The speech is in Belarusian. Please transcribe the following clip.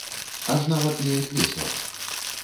Аж нават неяк весела.